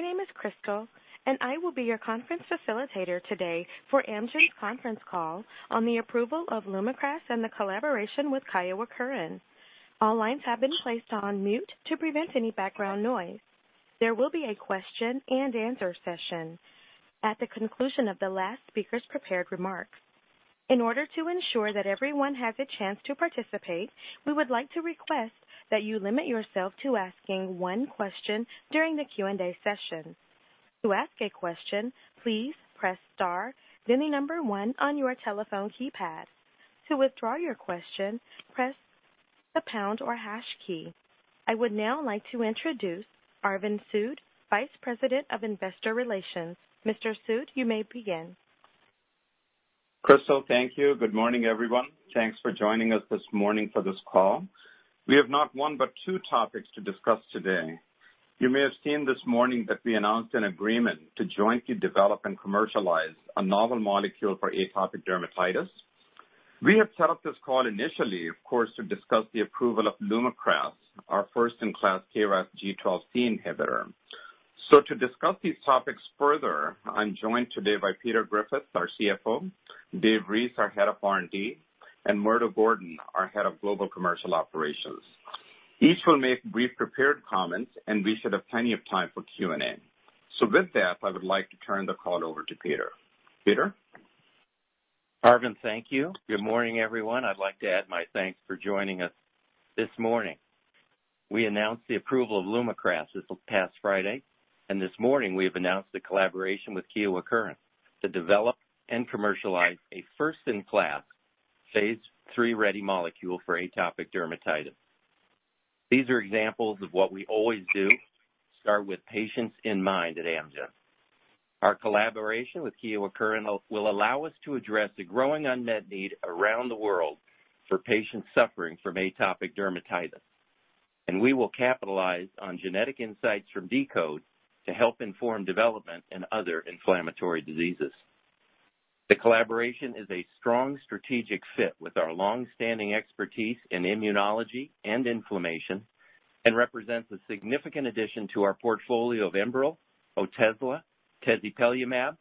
My name is Crystal, and I will be your conference facilitator today for Amgen's conference call on the approval of LUMAKRAS and the collaboration with Kyowa Kirin. All lines have been placed on mute to prevent any background noise. There will be a question and answer session at the conclusion of the last speaker's prepared remarks. In order to ensure that everyone has a chance to participate, we would like to request that you limit yourself to asking one question during the Q&A session. To ask a question, please press star, then the number one on your telephone keypad. To withdraw your question, press the pound or hash key. I would now like to introduce Arvind Sood, Vice President of Investor Relations. Mr. Sood, you may begin. Crystal, thank you. Good morning, everyone. Thanks for joining us this morning for this call. We have not one, but two topics to discuss today. You may have seen this morning that we announced an agreement to jointly develop and commercialize a novel molecule for atopic dermatitis. We have set up this call initially, of course, to discuss the approval of LUMAKRAS, our first-in-class KRAS G12C inhibitor. To discuss these topics further, I'm joined today by Peter Griffith, our CFO, Dave Reese, our Head of R&D, and Murdo Gordon, our Head of Global Commercial Operations. Each will make brief prepared comments, and we should have plenty of time for Q&A. With that, I would like to turn the call over to Peter. Peter? Arvind, thank you. Good morning, everyone. I'd like to add my thanks for joining us this morning. We announced the approval of LUMAKRAS past Friday and this morning we have announced a collaboration with Kyowa Kirin to develop and commercialize a first-in-class phase III-ready molecule for atopic dermatitis. These are examples of what we always do, start with patients in mind at Amgen. Our collaboration with Kyowa Kirin will allow us to address a growing unmet need around the world for patients suffering from atopic dermatitis. We will capitalize on genetic insights from deCODE to help inform development in other inflammatory diseases. The collaboration is a strong strategic fit with our long-standing expertise in immunology and inflammation, represents a significant addition to our portfolio of ENBREL, Otezla, tezepelumab,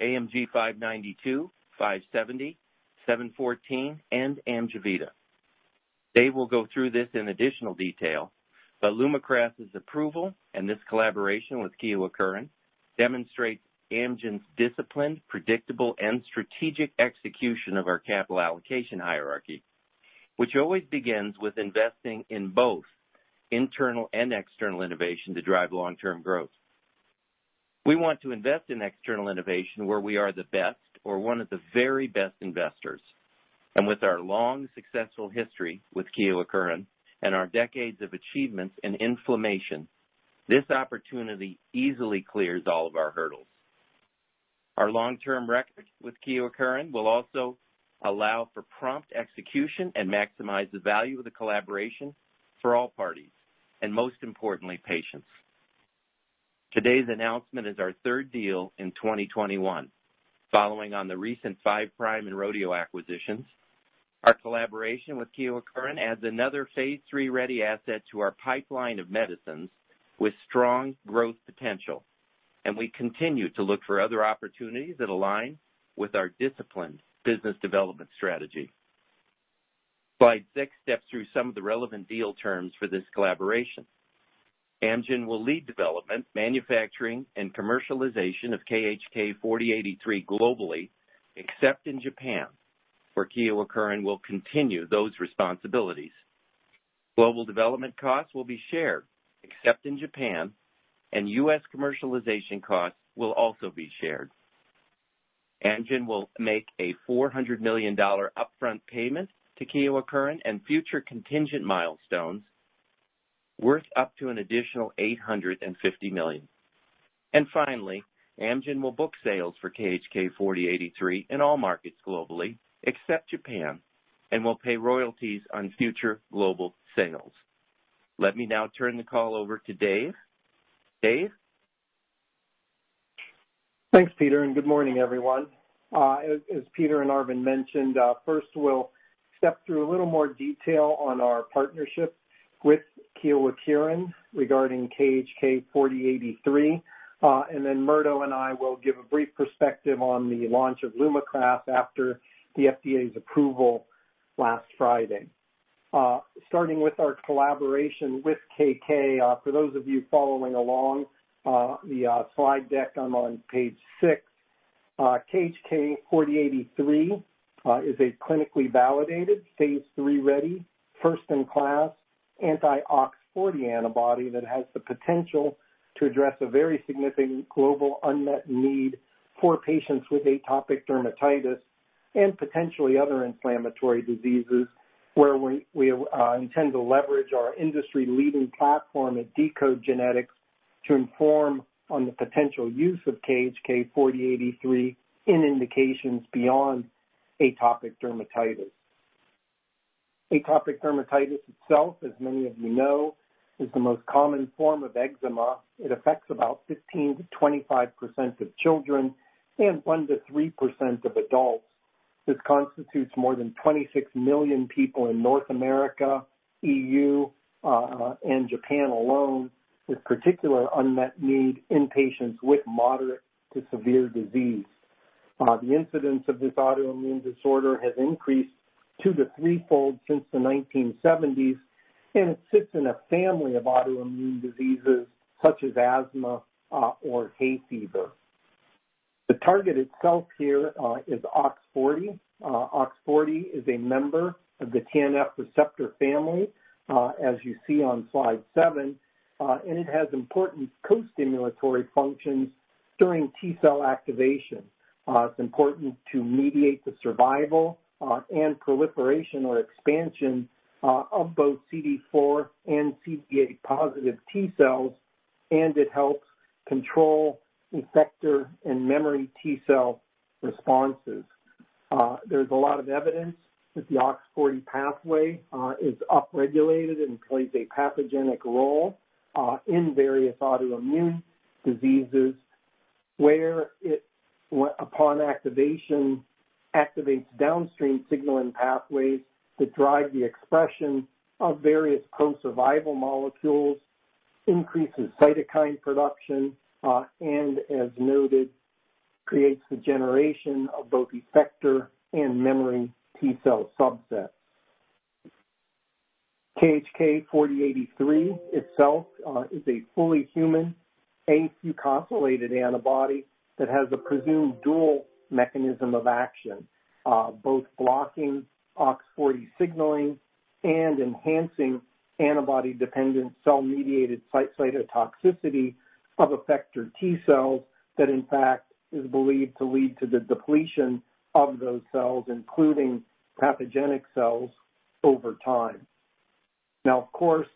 AMG 592, 570, 714, and AMGEVITA. Dave will go through this in additional detail, but LUMAKRAS' approval and this collaboration with Kyowa Kirin demonstrate Amgen's disciplined, predictable, and strategic execution of our capital allocation hierarchy. Which always begins with investing in both internal and external innovation to drive long-term growth. We want to invest in external innovation where we are the best or one of the very best investors. With our long, successful history with Kyowa Kirin and our decades of achievements in inflammation, this opportunity easily clears all of our hurdles. Our long-term record with Kyowa Kirin will also allow for prompt execution and maximize the value of the collaboration for all parties, and most importantly, patients. Today's announcement is our third deal in 2021, following on the recent Five Prime and Rodeo acquisitions. Our collaboration with Kyowa Kirin adds another phase III-ready asset to our pipeline of medicines with strong growth potential, and we continue to look for other opportunities that align with our disciplined business development strategy. Slide 6 steps through some of the relevant deal terms for this collaboration. Amgen will lead development, manufacturing, and commercialization of KHK4083 globally, except in Japan, where Kyowa Kirin will continue those responsibilities. Global development costs will be shared, except in Japan, and U.S. commercialization costs will also be shared. Amgen will make a $400 million upfront payment to Kyowa Kirin and future contingent milestones worth up to an additional $850 million. Finally, Amgen will book sales for KHK4083 in all markets globally, except Japan, and will pay royalties on future global sales. Let me now turn the call over to Dave. Dave? Thanks, Peter, and good morning, everyone. As Peter and Arvind mentioned, first we'll step through a little more detail on our partnership with Kyowa Kirin regarding KHK4083. Murdo and I will give a brief perspective on the launch of LUMAKRAS after the FDA's approval last Friday. Starting with our collaboration with KK, for those of you following along the slide deck, I'm on page six. KHK4083 is a clinically validated, phase III-ready, first-in-class, anti-OX40 antibody that has the potential to address a very significant global unmet need for patients with atopic dermatitis and potentially other inflammatory diseases where we intend to leverage our industry-leading platform at deCODE genetics to inform on the potential use of KHK4083 in indications beyond atopic dermatitis. Atopic dermatitis itself, as many of you know, is the most common form of eczema. It affects about 15%-25% of children and 1%-3% of adults. This constitutes more than 26 million people in North America, EU, and Japan alone, with particular unmet need in patients with moderate to severe disease. The incidence of this autoimmune disorder has increased two to three fold since the 1970s. It sits in a family of autoimmune diseases such as asthma or hay fever. The target itself here is OX40. OX40 is a member of the TNF receptor family, as you see on slide seven and it has important co-stimulatory functions during T cell activation. It's important to mediate the survival and proliferation or expansion of both CD4 and CD8 positive T cells, and it helps control effector and memory T cell responses. There's a lot of evidence that the OX40 pathway is upregulated and plays a pathogenic role in various autoimmune diseases, where upon activation, activates downstream signaling pathways that drive the expression of various pro-survival molecules, increases cytokine production, and as noted, creates the generation of both effector and memory T cell subsets. KHK4083 itself is a fully human, Aq-calculated antibody that has a presumed dual mechanism of action, both blocking OX40 signaling and enhancing antibody-dependent cell-mediated cytotoxicity of effector T cells that in fact, is believed to lead to the depletion of those cells, including pathogenic cells over time. Now, of course,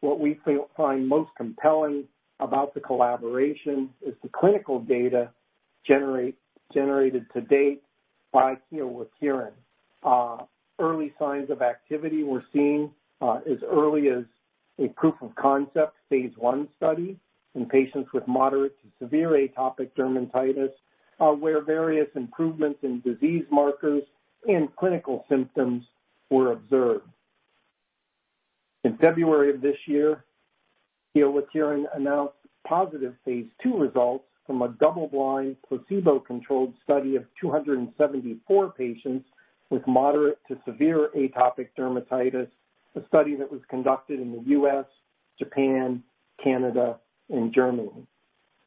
what we find most compelling about the collaboration is the clinical data generated to date by Kyowa Kirin. Early signs of activity we're seeing as early as a proof of concept phase I study in patients with moderate to severe atopic dermatitis, where various improvements in disease markers and clinical symptoms were observed. In February of this year, Kyowa Kirin announced positive phase II results from a double-blind, placebo-controlled study of 274 patients with moderate to severe atopic dermatitis, a study that was conducted in the U.S., Japan, Canada, and Germany.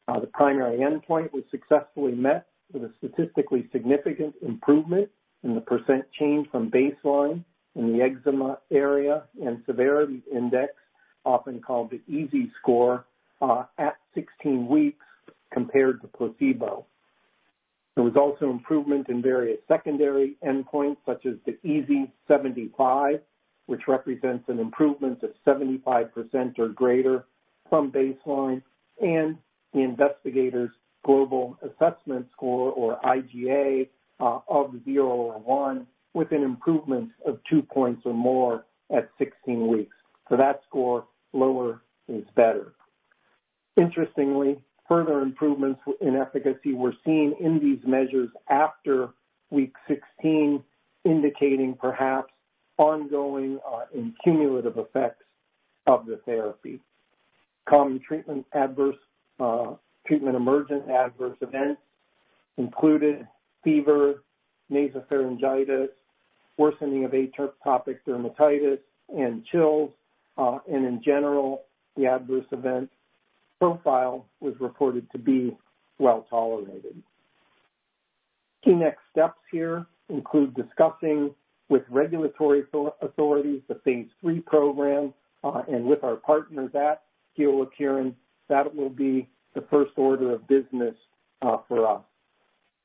The primary endpoint was successfully met with a statistically significant improvement in the percent change from baseline in the Eczema Area and Severity Index, often called the EASI score, at 16 weeks compared to placebo. There was also improvement in various secondary endpoints such as the EASI-75, which represents an improvement of 75% or greater from baseline, and the Investigators' Global Assessment Score, or IGA, of zero or one with an improvement of two points or more at 16 weeks, so that score, lower is better. Interestingly, further improvements in efficacy were seen in these measures after week 16, indicating perhaps ongoing and cumulative effects of the therapy. Common treatment emergent adverse events included fever, nasopharyngitis, worsening of atopic dermatitis, and chills, and in general, the adverse event profile was reported to be well-tolerated. Key next steps here include discussing with regulatory authorities the phase III program and with our partners at Kyowa Kirin, that will be the first order of business for us.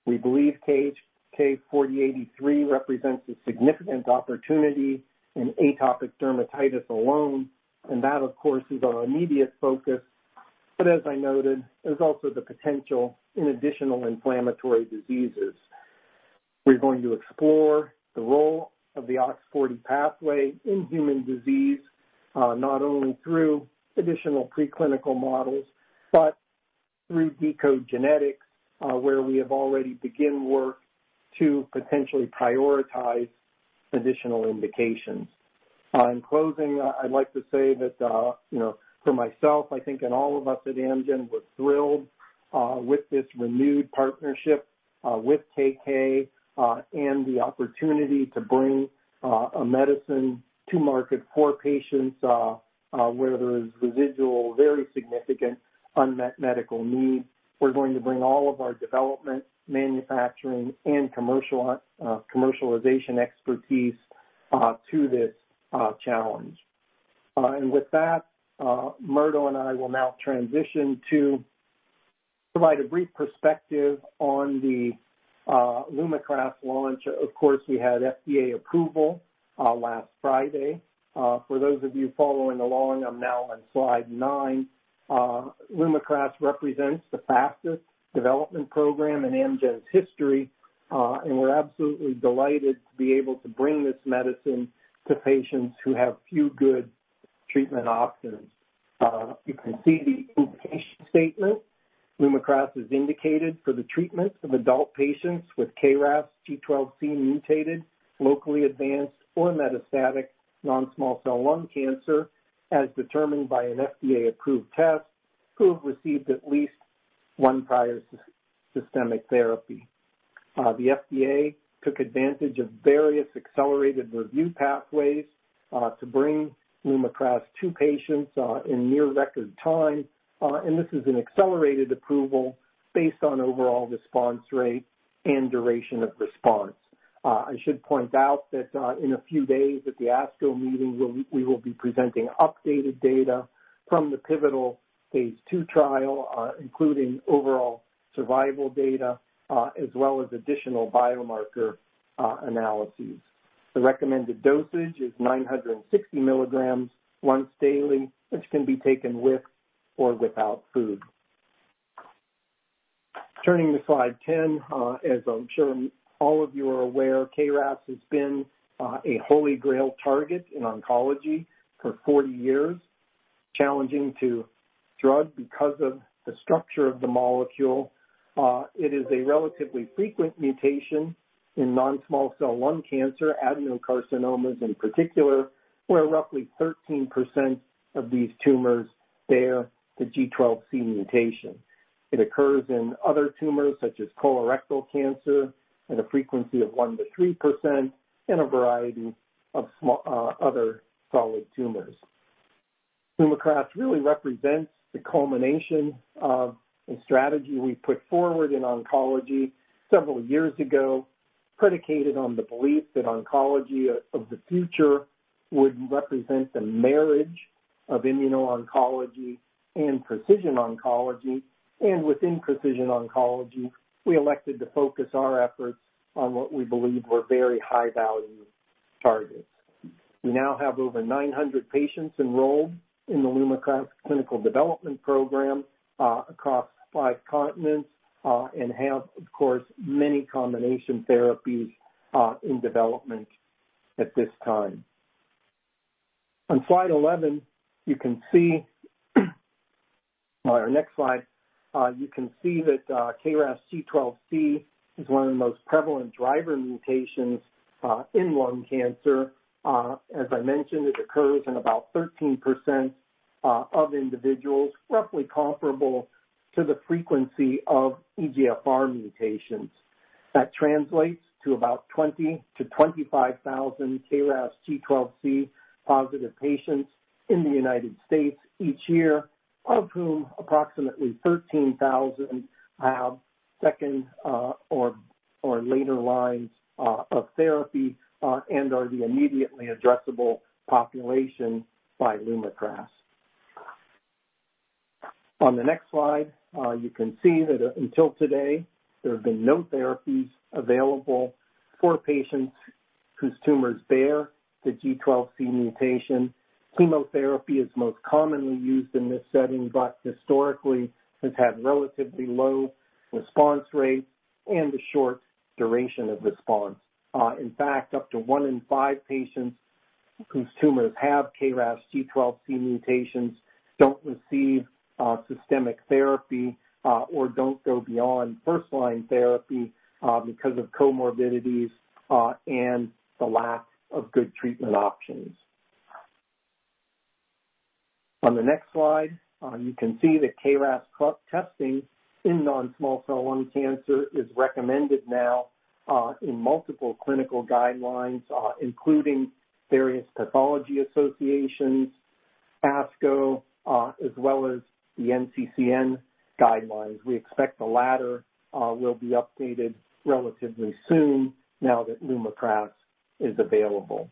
We believe KHK4083 represents a significant opportunity in atopic dermatitis alone, and that, of course, is our immediate focus. As I noted, there's also the potential in additional inflammatory diseases. We're going to explore the role of the OX40 pathway in human disease, not only through additional preclinical models, but through deCODE genetics, where we have already begin work to potentially prioritize additional indications. In closing, I'd like to say that for myself, I think and all of us at Amgen, we're thrilled with this renewed partnership with KK and the opportunity to bring a medicine to market for patients where there is residual, very significant unmet medical need. We're going to bring all of our development, manufacturing, and commercialization expertise to this challenge. With that, Murdo Gordon and I will now transition to provide a brief perspective on the LUMAKRAS launch. Of course, we had FDA approval last Friday. For those of you following along, I'm now on slide nine. LUMAKRAS represents the fastest development program in Amgen's history. We're absolutely delighted to be able to bring this medicine to patients who have few good treatment options. You can see the indication statement. LUMAKRAS is indicated for the treatment of adult patients with KRAS G12C mutated locally advanced or metastatic non-small cell lung cancer, as determined by an FDA-approved test, who have received at least one prior systemic therapy. The FDA took advantage of various accelerated review pathways to bring LUMAKRAS to patients in near record time. This is an accelerated approval based on overall response rate and duration of response. I should point out that in a few days at the ASCO meeting, we will be presenting updated data from the pivotal phase II trial, including overall survival data as well as additional biomarker analyses. The recommended dosage is 960 mg once daily, which can be taken with or without food. Turning to slide 10, as I'm sure all of you are aware, KRAS has been a holy grail target in oncology for 40 years, challenging to drug because of the structure of the molecule. It is a relatively frequent mutation in non-small cell lung cancer, adenocarcinomas in particular, where roughly 13% of these tumors bear the G12C mutation. It occurs in other tumors, such as colorectal cancer, at a frequency of 1%-3% in a variety of other solid tumors. LUMAKRAS really represents the culmination of a strategy we put forward in oncology several years ago, predicated on the belief that oncology of the future would represent the marriage of immuno-oncology and precision oncology. Within precision oncology, we elected to focus our efforts on what we believe were very high-value targets. We now have over 900 patients enrolled in the LUMAKRAS clinical development program across five continents and have, of course, many combination therapies in development at this time. Slide 11, or next slide, you can see that KRAS G12C is one of the most prevalent driver mutations in lung cancer. As I mentioned, it occurs in about 13% of individuals, roughly comparable to the frequency of EGFR mutations. That translates to about 20,000-25,000 KRAS G12C positive patients in the U.S. each year, of whom approximately 13,000 have second or later lines of therapy and are the immediately addressable population by LUMAKRAS. The next slide, you can see that until today, there have been no therapies available for patients whose tumors bear the G12C mutation. Chemotherapy is most commonly used in this setting, but historically has had relatively low response rates and a short duration of response. In fact, up to one in five patients whose tumors have KRAS G12C mutations don't receive systemic therapy or don't go beyond first-line therapy because of comorbidities and the lack of good treatment options. On the next slide, you can see that KRAS testing in non-small cell lung cancer is recommended now in multiple clinical guidelines, including various pathology associations, ASCO, as well as the NCCN guidelines. We expect the latter will be updated relatively soon now that LUMAKRAS is available.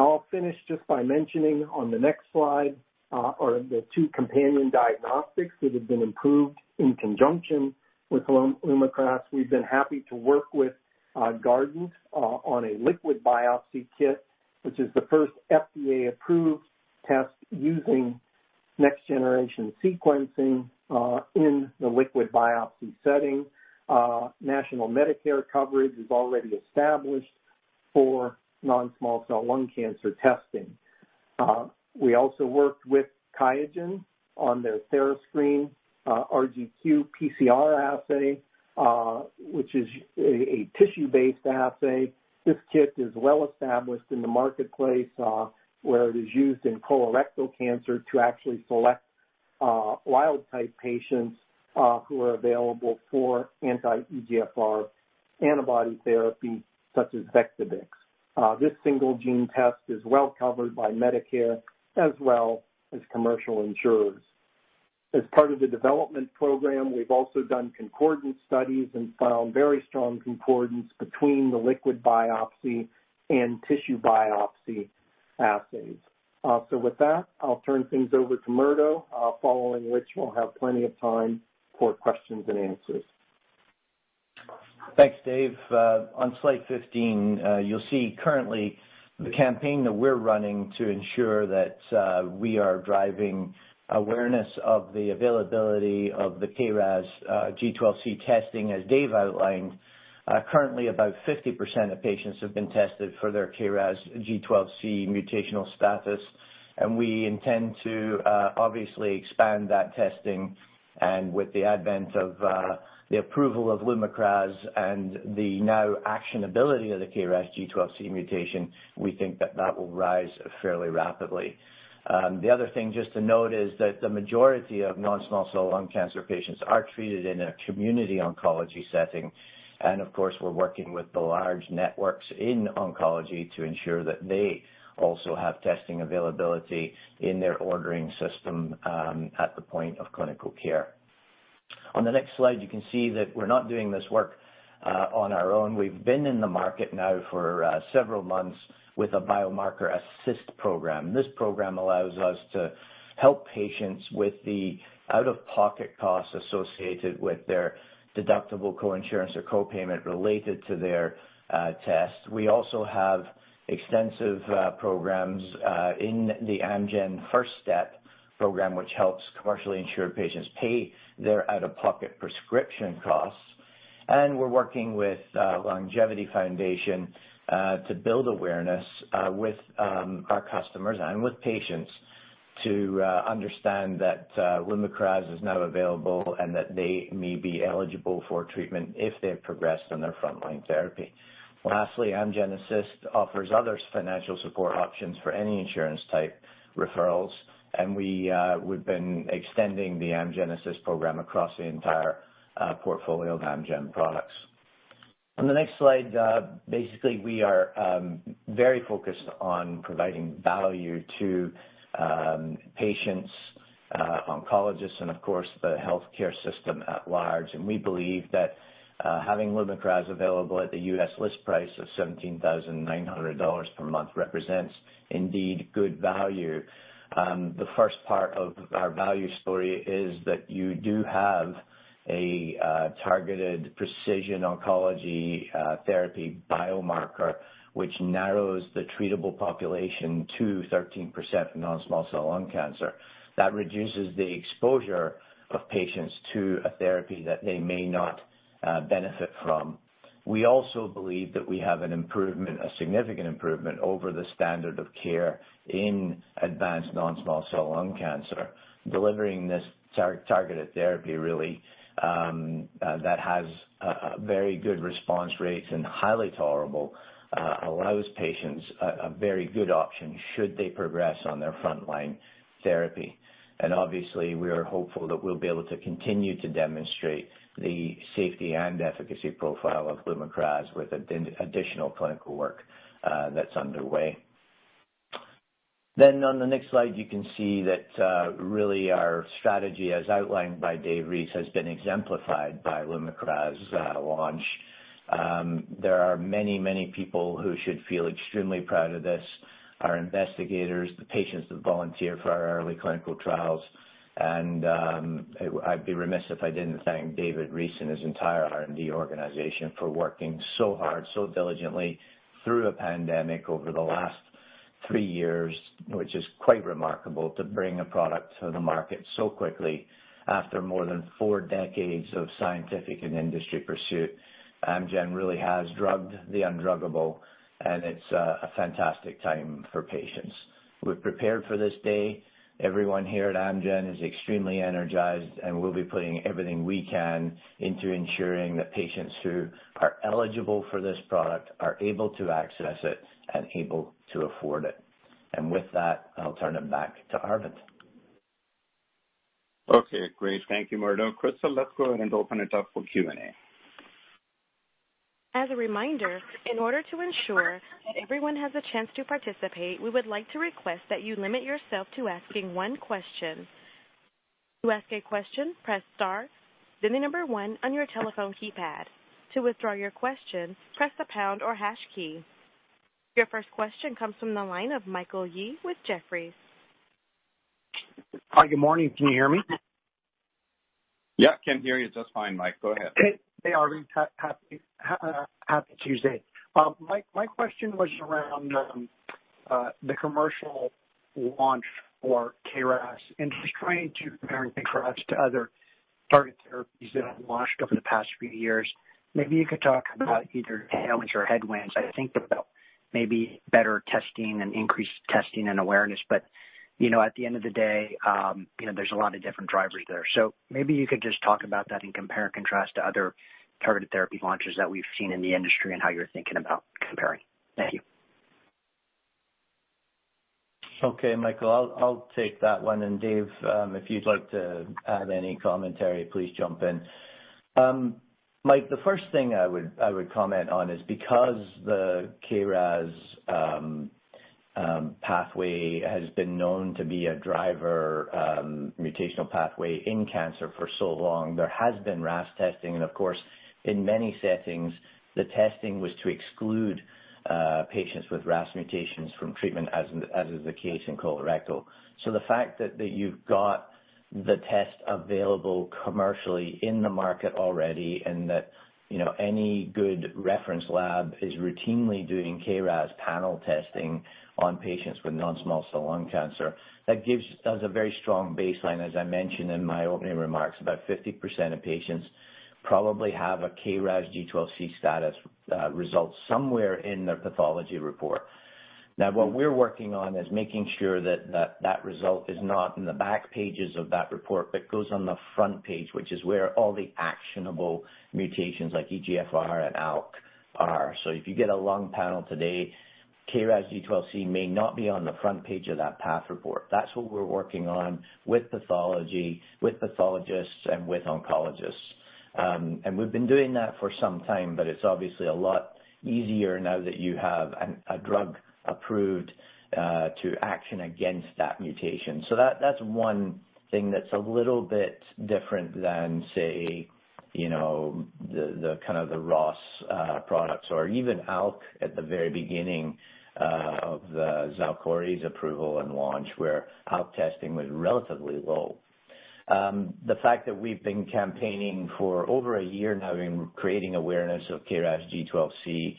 I'll finish just by mentioning on the next slide are the two companion diagnostics that have been improved in conjunction with LUMAKRAS. We've been happy to work with Guardant on a liquid biopsy kit, which is the first FDA-approved test using next-generation sequencing in the liquid biopsy setting. National Medicare coverage is already established for non-small cell lung cancer testing. We also worked with QIAGEN on their therascreen RGQ PCR assay which is a tissue-based assay. This kit is well established in the marketplace, where it is used in colorectal cancer to actually select wild-type patients who are available for anti-EGFR antibody therapy such as Vectibix. This single gene test is well covered by Medicare as well as commercial insurers. As part of the development program, we've also done concordance studies and found very strong concordance between the liquid biopsy and tissue biopsy assays. With that, I'll turn things over to Murdo, following which we'll have plenty of time for questions and answers. Thanks, Dave. On slide 15, you'll see currently the campaign that we're running to ensure that we are driving awareness of the availability of the KRAS G12C testing. As Dave outlined, currently about 50% of patients have been tested for their KRAS G12C mutational status. We intend to obviously expand that testing. With the advent of the approval of Lumakras and the now actionability of the KRAS G12C mutation, we think that that will rise fairly rapidly. The other thing just to note is that the majority of non-small cell lung cancer patients are treated in a community oncology setting. Of course, we're working with the large networks in oncology to ensure that they also have testing availability in their ordering system at the point of clinical care. On the next slide, you can see that we're not doing this work on our own. We've been in the market now for several months with a Biomarker Assist program. This program allows us to help patients with the out-of-pocket costs associated with their deductible, co-insurance, or co-payment related to their test. We also have extensive programs in the Amgen FIRST STEP program, which helps commercially insured patients pay their out-of-pocket prescription costs. We're working with LUNGevity Foundation to build awareness with our customers and with patients to understand that LUMAKRAS is now available and that they may be eligible for treatment if they've progressed on their frontline therapy. Lastly, Amgen Assist offers other financial support options for any insurance type referrals, and we've been extending the Amgen Assist program across the entire portfolio of Amgen products. On the next slide, basically we are very focused on providing value to patients, oncologists, and of course, the healthcare system at large. We believe that having LUMAKRAS available at the U.S. list price of $17,900 per month represents indeed good value. The first part of our value story is that you do have a targeted precision oncology therapy biomarker, which narrows the treatable population to 13% non-small cell lung cancer. That reduces the exposure of patients to a therapy that they may not benefit from. We also believe that we have a significant improvement over the standard of care in advanced non-small cell lung cancer, delivering this targeted therapy really, that has very good response rates and highly tolerable, allows patients a very good option should they progress on their frontline therapy. Obviously, we are hopeful that we'll be able to continue to demonstrate the safety and efficacy profile of LUMAKRAS with additional clinical work that's underway. On the next slide, you can see that really our strategy, as outlined by Dave Reese, has been exemplified by LUMAKRAS launch. There are many people who should feel extremely proud of this. Our investigators, the patients that volunteer for our early clinical trials, and I'd be remiss if I didn't thank David Reese and his entire R&D organization for working so hard, so diligently through a pandemic over the last three years, which is quite remarkable to bring a product to the market so quickly after more than four decades of scientific and industry pursuit. Amgen really has drugged the undruggable, and it's a fantastic time for patients. We've prepared for this day. Everyone here at Amgen is extremely energized, and we'll be putting everything we can into ensuring that patients who are eligible for this product are able to access it and able to afford it. With that, I'll turn it back to Arvind. Okay, great. Thank you, Murdo. Crystal, let's go ahead and open it up for Q&A. As a reminder, in order to ensure that everyone has a chance to participate, we would like to request that you limit yourself to asking one question. To ask a question press star then the number one on your telephone keypad. To withdraw your question, press the pound or hash key Your first question comes from the line of Michael Yee with Jefferies. Hi, good morning. Can you hear me? Yeah, can hear you just fine, Mike. Go ahead. Hey, Arvind, happy Tuesday. My question was around the commercial launch for KRAS and just trying to compare and contrast to other targeted therapies that have launched over the past few years. Maybe you could talk about either tailwinds or headwinds. I think about maybe better testing and increased testing and awareness. At the end of the day, there's a lot of different drivers there. Maybe you could just talk about that and compare and contrast to other targeted therapy launches that we've seen in the industry and how you're thinking about comparing. Thank you. Okay, Michael, I'll take that one, and Dave, if you'd like to add any commentary, please jump in. Mike, the first thing I would comment on is because the KRAS pathway has been known to be a driver mutational pathway in cancer for so long, there has been RAS testing. Of course, in many settings, the testing was to exclude patients with RAS mutations from treatment, as is the case in colorectal. The fact that you've got the test available commercially in the market already and that any good reference lab is routinely doing KRAS panel testing on patients with non-small cell lung cancer, that gives us a very strong baseline. As I mentioned in my opening remarks, about 50% of patients probably have a KRAS G12C status result somewhere in their pathology report. Now, what we're working on is making sure that result is not in the back pages of that report, but goes on the front page, which is where all the actionable mutations like EGFR and ALK are. If you get a lung panel today, KRAS G12C may not be on the front page of that path report. That's what we're working on with pathology, with pathologists, and with oncologists. We've been doing that for some time, but it's obviously a lot easier now that you have a drug approved to action against that mutation. That's one thing that's a little bit different than, say, the ROS products or even ALK at the very beginning of the XALKORI's approval and launch, where ALK testing was relatively low. The fact that we've been campaigning for over a year now in creating awareness of KRAS G12C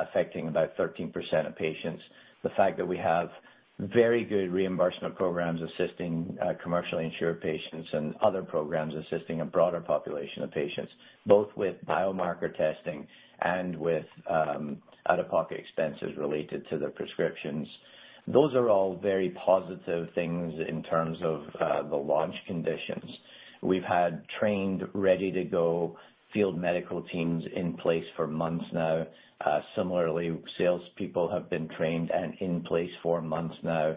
affecting about 13% of patients, the fact that we have very good reimbursement programs assisting commercially insured patients and other programs assisting a broader population of patients, both with biomarker testing and with out-of-pocket expenses related to their prescriptions. Those are all very positive things in terms of the launch conditions. We've had trained, ready-to-go field medical teams in place for months now. Salespeople have been trained and in place for months now.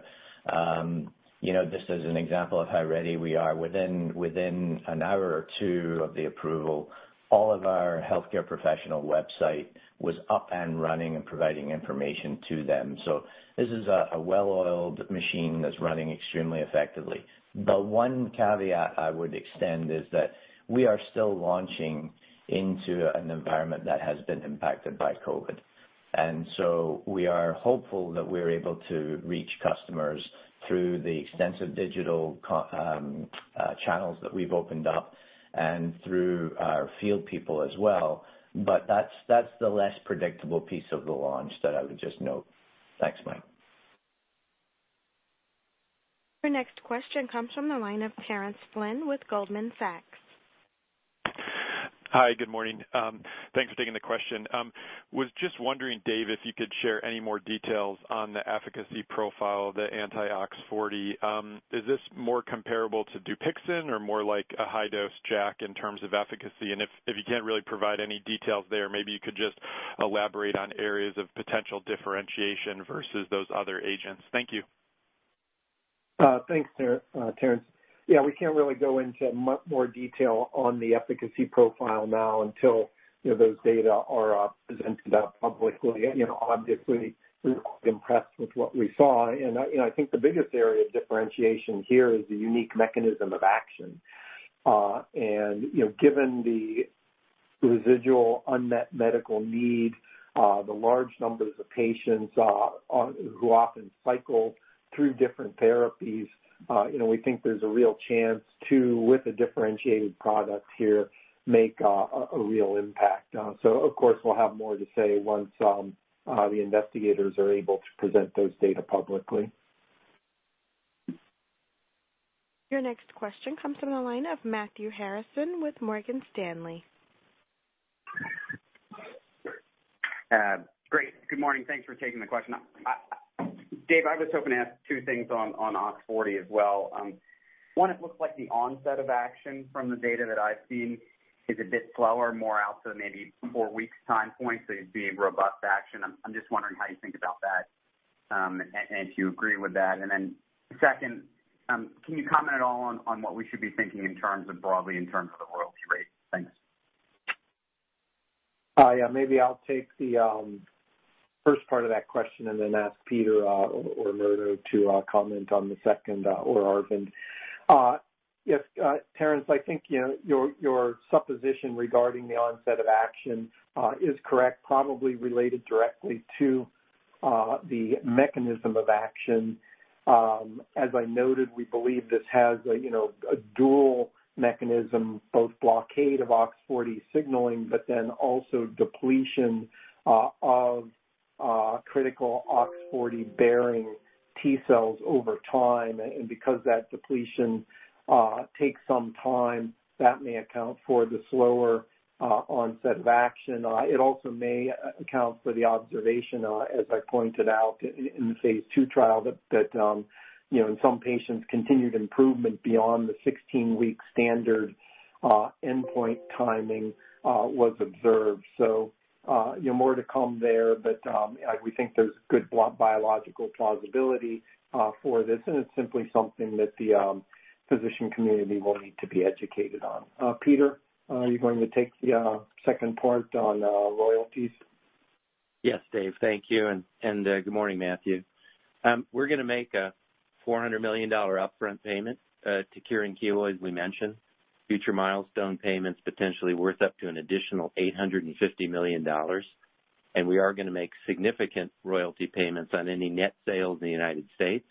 Just as an example of how ready we are, within one hour or two of the approval, all of our healthcare professional website was up and running and providing information to them. This is a well-oiled machine that's running extremely effectively. The one caveat I would extend is that we are still launching into an environment that has been impacted by COVID. We are hopeful that we're able to reach customers through the extensive digital channels that we've opened up and through our field people as well. That's the less predictable piece of the launch that I would just note. Thanks, Mike. Your next question comes from the line of Terence Flynn with Goldman Sachs. Hi, good morning. Thanks for taking the question. I was just wondering, Dave, if you could share any more details on the efficacy profile of the anti-OX40. Is this more comparable to DUPIXENT or more like a high-dose JAK in terms of efficacy? If you can't really provide any details there, maybe you could just elaborate on areas of potential differentiation versus those other agents. Thank you. Thanks, Terence. Yeah, we can't really go into much more detail on the efficacy profile now until those data are presented out publicly. Obviously, we were impressed with what we saw. I think the biggest area of differentiation here is the unique mechanism of action. Given the residual unmet medical need, the large numbers of patients who often cycle through different therapies, we think there's a real chance to, with a differentiated product here, make a real impact. Of course, we'll have more to say once the investigators are able to present those data publicly. Your next question comes from the line of Matthew Harrison with Morgan Stanley. Great. Good morning. Thanks for taking the question. Dave, I was hoping to ask two things on OX40 as well. One, it looks like the onset of action from the data that I've seen is a bit slower, more out to maybe four weeks time point, so you'd be robust to action. I'm just wondering how you think about that, and if you agree with that. Then second, can you comment at all on what we should be thinking in terms of broadly in terms of the royalty rate? Thanks. Yeah, maybe I'll take the first part of that question and then ask Peter or Murdo to comment on the second, or Arvind. Yes, Terence, I think your supposition regarding the onset of action is correct, probably related directly to the mechanism of action. As I noted, we believe this has a dual mechanism, both blockade of OX40 signaling, but then also depletion of critical OX40-bearing T cells over time. Because that depletion takes some time, that may account for the slower onset of action. It also may account for the observation, as I pointed out in the phase II trial, that in some patients, continued improvement beyond the 16-week standard endpoint timing was observed. More to come there, but we think there's good biological plausibility for this, and it's simply something that the physician community will need to be educated on. Peter, are you going to take the second part on royalties? Yes, Dave. Thank you, and good morning, Matthew. We're going to make a $400 million upfront payment to Kyowa Kirin, as we mentioned. Future milestone payments potentially worth up to an additional $850 million. We are going to make significant royalty payments on any net sales in the United States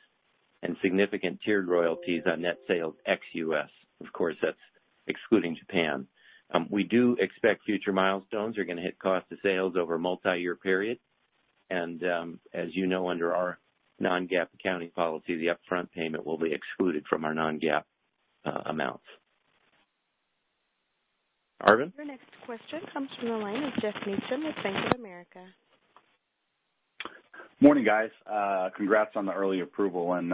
and significant tiered royalties on net sales ex-U.S. Of course, that's excluding Japan. We do expect future milestones are going to hit cost of sales over a multi-year period. As you know, under our non-GAAP accounting policy, the upfront payment will be excluded from our non-GAAP amounts. Arvind? Your next question comes from the line of Geoff Meacham with Bank of America. Morning, guys. Congrats on the early approval and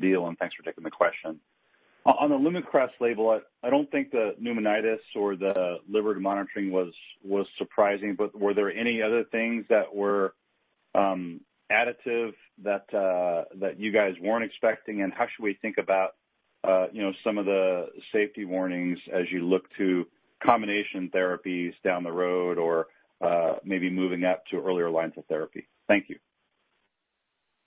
deal, and thanks for taking the question. On the LUMAKRAS label, I don't think the pneumonitis or the liver monitoring was surprising, were there any other things that were additive that you guys weren't expecting? How should we think about some of the safety warnings as you look to combination therapies down the road or maybe moving up to earlier lines of therapy? Thank you.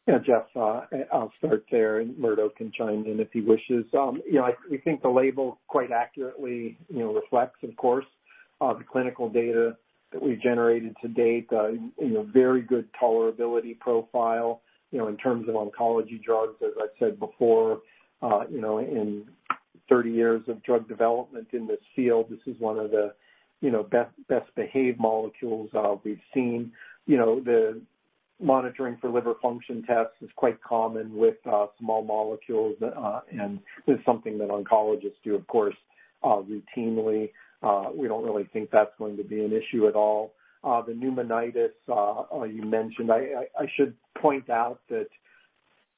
Yeah, Geoff, I'll start there, and Murdo can chime in if he wishes. I think the label quite accurately reflects, of course, the clinical data that we generated to date. Very good tolerability profile in terms of oncology drugs. As I said before, in 30 years of drug development in this field, this is one of the best-behaved molecules we've seen. The monitoring for liver function tests is quite common with small molecules, and this is something that oncologists do, of course, routinely. We don't really think that's going to be an issue at all. The pneumonitis you mentioned, I should point out that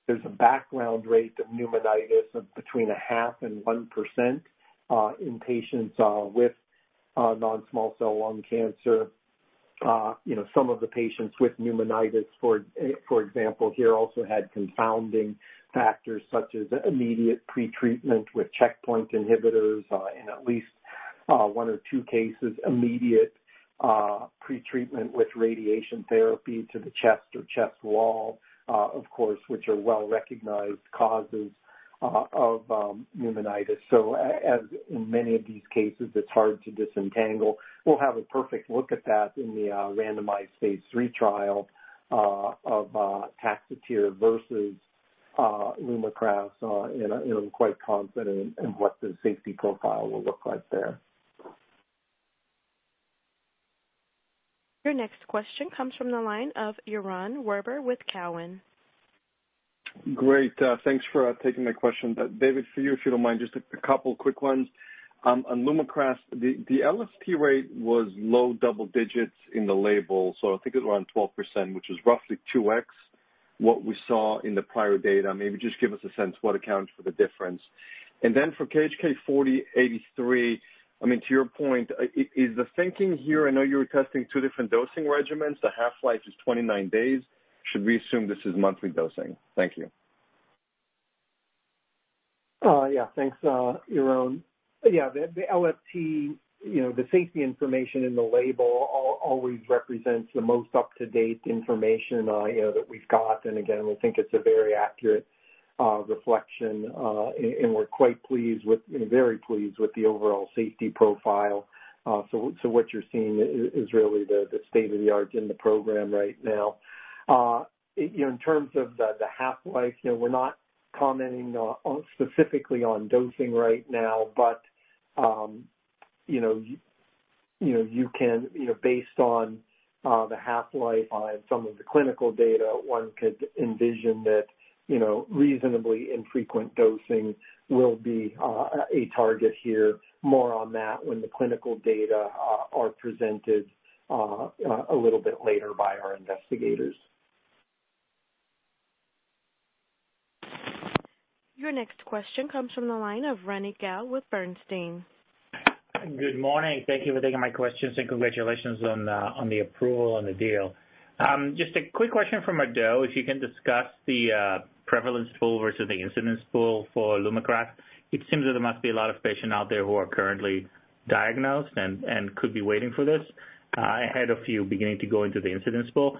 there's a background rate of pneumonitis of between 0.5% and 1% in patients with non-small cell lung cancer. Some of the patients with pneumonitis, for example, here also had confounding factors such as immediate pre-treatment with checkpoint inhibitors in at least one or two cases, immediate pre-treatment with radiation therapy to the chest or chest wall, of course, which are well-recognized causes of pneumonitis. As in many of these cases, it's hard to disentangle. We'll have a perfect look at that in the randomized phase III trial of Taxotere versus LUMAKRAS, and I'm quite confident in what the safety profile will look like there. Your next question comes from the line of Yaron Werber with Cowen. Great. Thanks for taking my question. David, for you, if you don't mind, just a couple quick ones. On LUMAKRAS, the LFT rate was low double digits in the label, I think it was around 12%, which is roughly 2x what we saw in the prior data. Maybe just give us a sense what accounts for the difference. For KHK4083, to your point, is the thinking here, I know you were testing two different dosing regimens. The half-life is 29 days. Should we assume this is monthly dosing? Thank you. Thanks, Yaron. The LFT safety information in the label always represents the most up-to-date information that we've got, and again, we think it's a very accurate reflection, and we're very pleased with the overall safety profile. What you're seeing is really the state of the art in the program right now. In terms of the half-life, we're not commenting specifically on dosing right now, but based on the half-life on some of the clinical data, one could envision that reasonably infrequent dosing will be a target here. More on that when the clinical data are presented a little bit later by our investigators. Your next question comes from the line of Ronny Gal with Bernstein. Good morning. Thank you for taking my questions and congratulations on the approval and the deal. Just a quick question for Murdo, if you can discuss the prevalence pool versus the incidence pool for LUMAKRAS. It seems that there must be a lot of patients out there who are currently diagnosed and could be waiting for this. I had a few beginning to go into the incidence pool.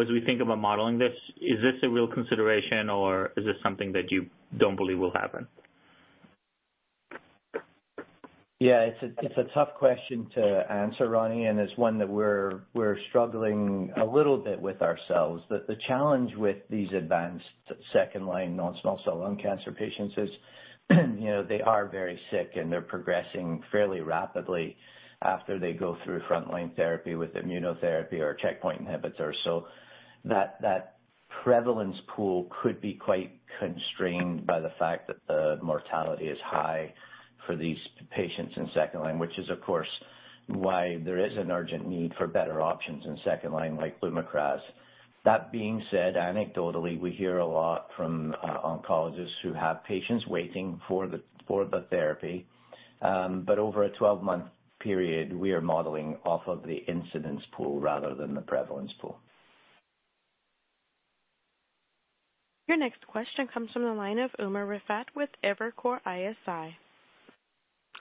As we think about modeling this, is this a real consideration, or is this something that you don't believe will happen? Yeah, it's a tough question to answer, Ronny, and it's one that we're struggling a little bit with ourselves. The challenge with these advanced second-line non-small cell lung cancer patients is they are very sick, and they're progressing fairly rapidly after they go through front-line therapy with immunotherapy or checkpoint inhibitors. That prevalence pool could be quite constrained by the fact that the mortality is high for these patients in second-line, which is, of course, why there is an urgent need for better options in second-line, like LUMAKRAS. That being said, anecdotally, we hear a lot from oncologists who have patients waiting for the therapy. Over a 12-month period, we are modeling off of the incidence pool rather than the prevalence pool. Your next question comes from the line of Umer Raffat with Evercore ISI.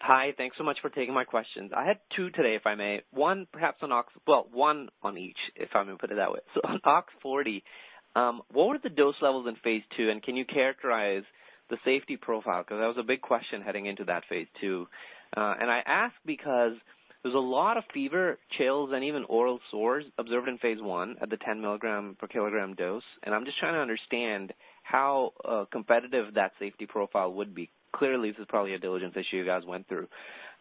Hi. Thanks so much for taking my questions. I had two today, if I may. One on each, if I may put it that way. On OX40, what were the dose levels in phase II, and can you characterize the safety profile? Because that was a big question heading into that phase II. I ask because there's a lot of fever, chills, and even oral sores observed in phase I at the 10 mg/kg dose, and I'm just trying to understand how competitive that safety profile would be. Clearly, this is probably a diligence issue you guys went through.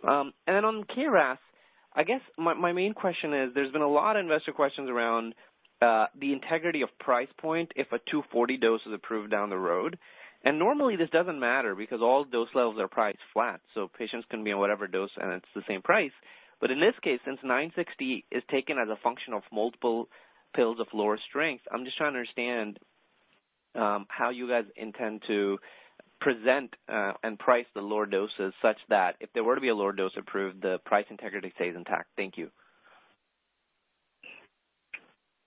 On KRAS, I guess my main question is there's been a lot of investor questions around the integrity of price point if a 240 dose is approved down the road. Normally this doesn't matter because all dose levels are priced flat, so patients can be on whatever dose and it's the same price. In this case, since 960 is taken as a function of multiple pills of lower strength, I'm just trying to understand how you guys intend to present and price the lower doses such that if there were to be a lower dose approved, the price integrity stays intact. Thank you.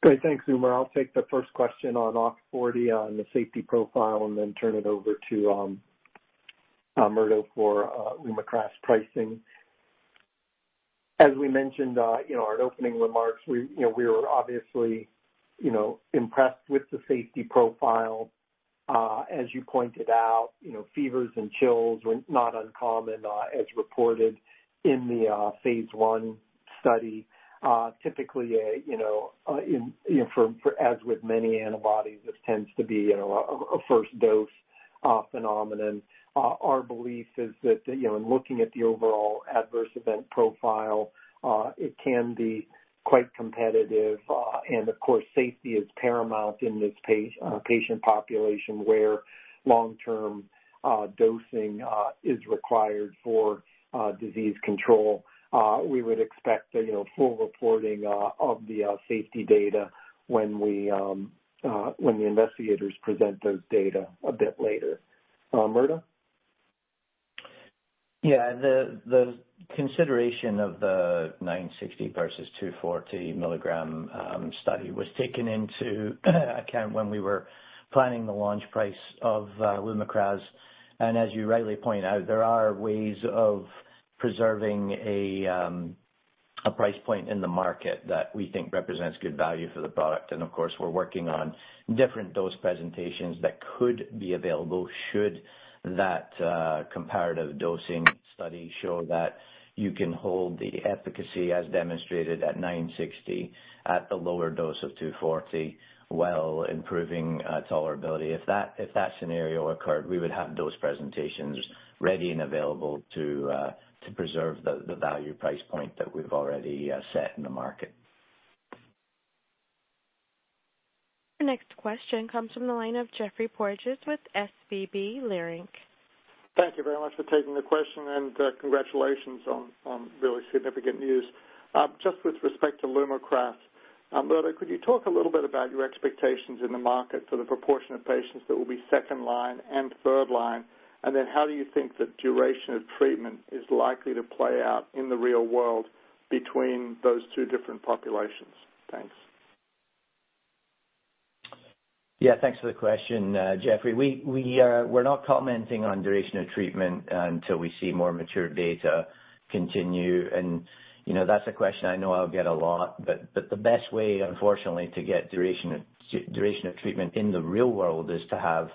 Great. Thanks, Umer. I'll take the first question on OX40 on the safety profile and then turn it over to Murdo Gordon for LUMAKRAS pricing. As we mentioned in our opening remarks, we were obviously impressed with the safety profile. As you pointed out, fevers and chills were not uncommon as reported in the phase I study. Typically, as with many antibodies, this tends to be a first dose phenomenon. Our belief is that in looking at the overall adverse event profile, it can be quite competitive. Of course, safety is paramount in this patient population where long-term dosing is required for disease control. We would expect full reporting of the safety data when the investigators present those data a bit later. Murdo Gordon? Yeah. The consideration of the 960mg versus 240 mg study was taken into account when we were planning the launch price of LUMAKRAS. As you rightly point out, there are ways of preserving a price point in the market that we think represents good value for the product. Of course, we're working on different dose presentations that could be available should that comparative dosing study show that you can hold the efficacy as demonstrated at 960 at the lower dose of 240 while improving tolerability. If that scenario occurred, we would have dose presentations ready and available to preserve the value price point that we've already set in the market. The next question comes from the line of Geoffrey Porges with SVB Leerink. Thank you very much for taking the question and congratulations on really significant news. Just with respect to LUMAKRAS, Murdo, could you talk a little bit about your expectations in the market for the proportion of patients that will be second-line and third-line, and then how do you think the duration of treatment is likely to play out in the real world between those two different populations? Thanks. Yeah. Thanks for the question, Geoffrey. We're not commenting on duration of treatment until we see more mature data continue. That's a question I know I'll get a lot, but the best way, unfortunately, to get duration of treatment in the real world is to have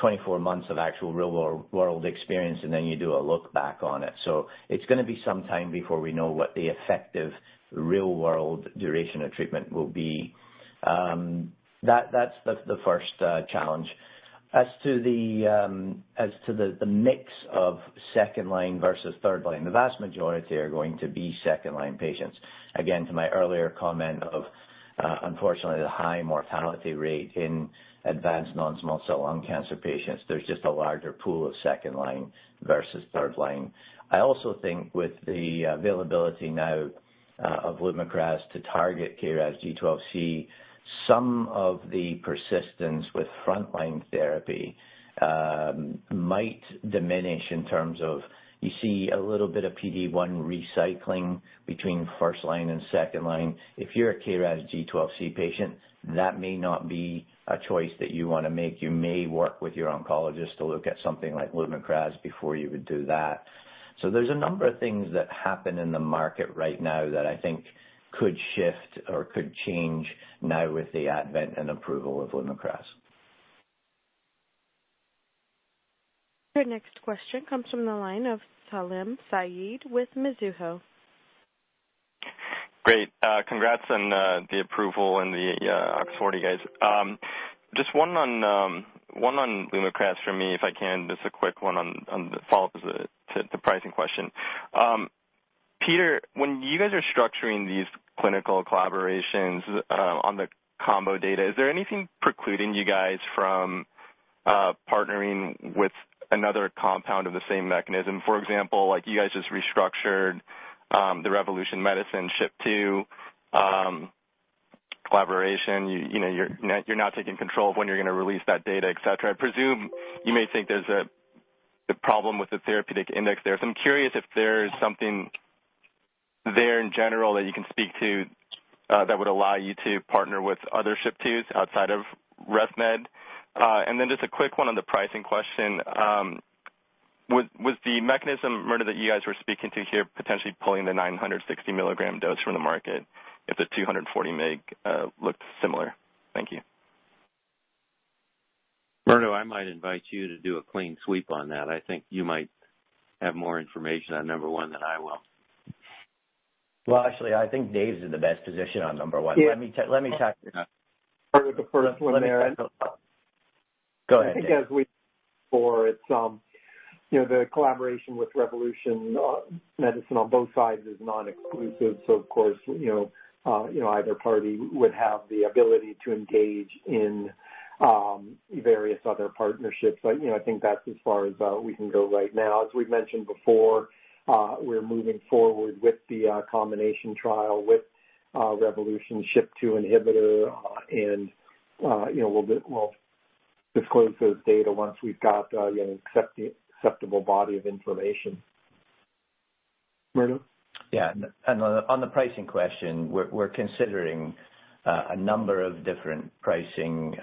24 months of actual real-world experience, and then you do a look back on it. It's going to be some time before we know what the effective real-world duration of treatment will be. That's the first challenge. As to the mix of 2nd-line versus 3rd-line, the vast majority are going to be 2nd-line patients. Again, to my earlier comment of, unfortunately, the high mortality rate in advanced non-small cell lung cancer patients, there's just a larger pool of 2nd-line versus 3rd-line. I also think with the availability now of LUMAKRAS to target KRAS G12C, some of the persistence with first line therapy might diminish in terms of, you see a little bit of PD-1 recycling between first line and second line. If you're a KRAS G12C patient, that may not be a choice that you want to make. You may work with your oncologist to look at something like LUMAKRAS before you would do that. There's a number of things that happen in the market right now that I think could shift or could change now with the advent and approval of LUMAKRAS. Your next question comes from the line of Salim Syed with Mizuho. Great. Congrats on the approval and the OX40, guys. Just one on LUMAKRAS for me, if I can, just a quick one that follows the pricing question. Peter, when you guys are structuring these clinical collaborations on the combo data, is there anything precluding you guys from partnering with another compound of the same mechanism? For example, like you guys just restructured the Revolution Medicines SHP2 collaboration. You're now taking control of when you're going to release that data, et cetera. I presume you may think there's a problem with the therapeutic index there. I'm curious if there's something there in general that you can speak to that would allow you to partner with other SHP2s outside of RevMed. Just a quick one on the pricing question. Was the mechanism, Murdo, that you guys were speaking to here potentially pulling the 960 mg dose from the market if the 240 mg looked similar? Thank you. Murdo, I might invite you to do a clean sweep on that. I think you might have more information on number one than I will. Well, actually, I think Dave's in the best position on number one. Yeah. Let me tackle that. I'll go with the first one there. Go ahead, Dave. I think as we said before, the collaboration with Revolution Medicines on both sides is non-exclusive. Of course, either party would have the ability to engage in various other partnerships. I think that's as far as we can go right now. As we've mentioned before, we're moving forward with the combination trial with Revolution Medicines' SHP2 inhibitor, and we'll disclose those data once we've got an acceptable body of information. Murdo? Yeah. On the pricing question, we're considering a number of different pricing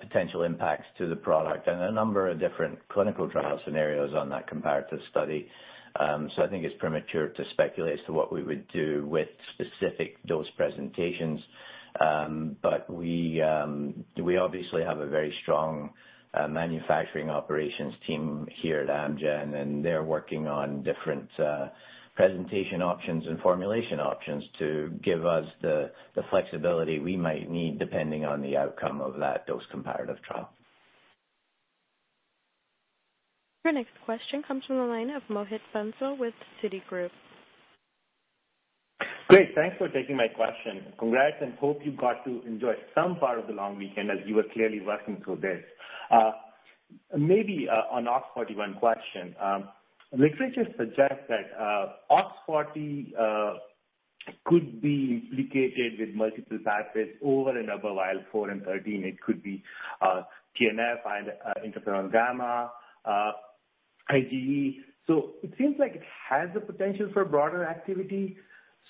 potential impacts to the product and a number of different clinical trial scenarios on that comparative study. I think it's premature to speculate as to what we would do with specific dose presentations. We obviously have a very strong manufacturing operations team here at Amgen, and they're working on different presentation options and formulation options to give us the flexibility we might need, depending on the outcome of that dose comparative trial. Your next question comes from the line of Mohit Bansal with Citigroup. Great. Thanks for taking my question. Congrats, hope you got to enjoy some part of the long weekend, as you were clearly working through this. Maybe an OX40 question. Literature suggests that OX40 could be implicated with multiple pathways over and above IL-4 and IL-13. It could be TNF, interferon gamma, IgE. It seems like it has the potential for broader activity.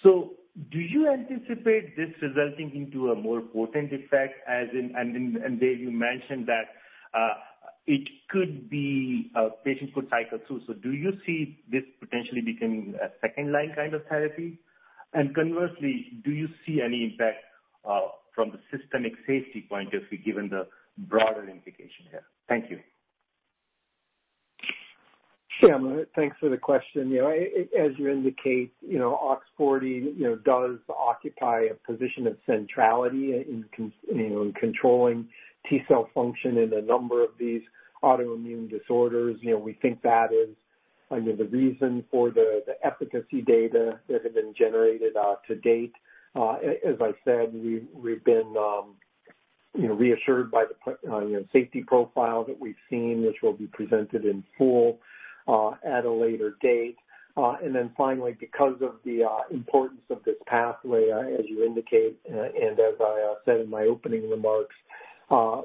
Do you anticipate this resulting into a more potent effect? Dave, you mentioned that it could be a patient could cycle through. Do you see this potentially becoming a second-line kind of therapy? Conversely, do you see any impact from the systemic safety point of view, given the broader indication here? Thank you. Sure, Mohit, thanks for the question. As you indicate, OX40 does occupy a position of centrality in controlling T cell function in a number of these autoimmune disorders. We think that is the reason for the efficacy data that have been generated to date. As I said, we've been reassured by the safety profile that we've seen, which will be presented in full at a later date. Then finally, because of the importance of this pathway, as you indicate, and as I said in my opening remarks,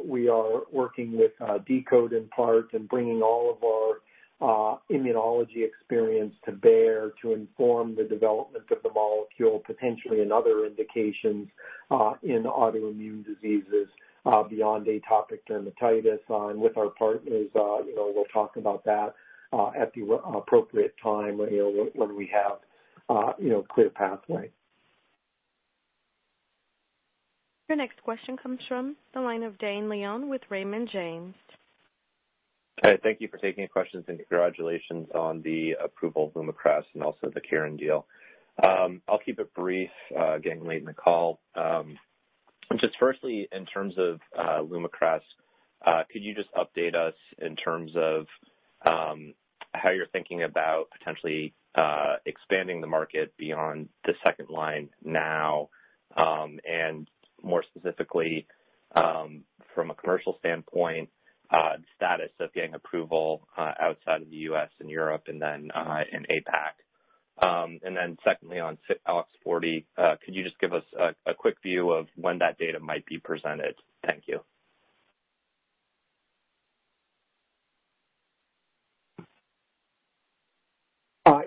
we are working with deCODE in part and bringing all of our immunology experience to bear to inform the development of the molecule, potentially in other indications in autoimmune diseases beyond atopic dermatitis. With our partners, we'll talk about that at the appropriate time when we have a clear pathway. Your next question comes from the line of Dane Leone with Raymond James. Hi, thank you for taking the questions, and congratulations on the approval of LUMAKRAS and also the Karuna deal. I'll keep it brief, getting late in the call. Just firstly, in terms of LUMAKRAS, could you just update us in terms of how you're thinking about potentially expanding the market beyond the second line now, and more specifically, from a commercial standpoint, the status of getting approval outside of the U.S. and Europe and then in APAC? Secondly, on OX40, could you just give us a quick view of when that data might be presented? Thank you.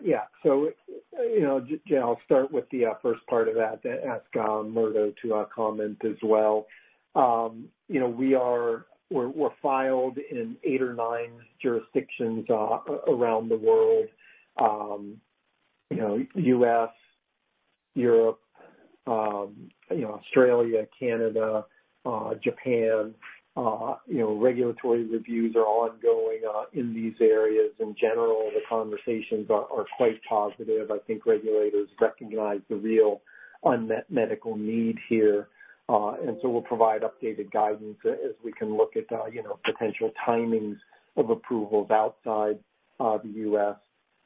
Yeah. I'll start with the first part of that, then ask Murdo to comment as well. We're filed in eight or nine jurisdictions around the world. U.S., Europe, Australia, Canada, Japan. Regulatory reviews are ongoing in these areas. In general, the conversations are quite positive. I think regulators recognize the real unmet medical need here. We'll provide updated guidance as we can look at potential timings of approvals outside the U.S.